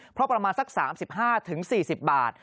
เพราะประมาณสัก๓๕๔๐บาท